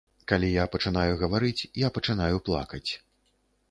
Калі я пачынаю гаварыць, я пачынаю плакаць.